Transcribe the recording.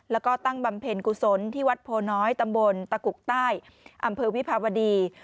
แล้วก็ตั้งบำเพ็ญกุศลที่วัดโพน้อยตำบลตะกุกใต้อำเภอวิภาวดี